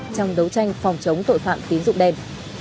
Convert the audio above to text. trong đấu tranh phòng chống tội phạm tín dụng đen